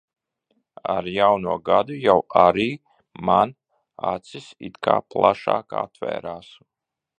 Ar jauno gadu jau arī man acis it kā plašāk atvērās.